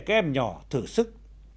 các em nhỏ thử sức